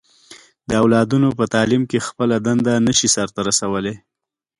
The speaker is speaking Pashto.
د اولادونو په تعليم کې خپله دنده نه شي سرته رسولی.